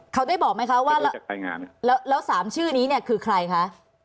เขาได้บอกไหมคะว่าแล้ว๓ชื่อนี้เนี่ยคือใครคะ